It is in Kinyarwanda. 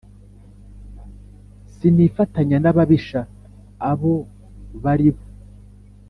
Sinifatanya n abahisha abo bari bo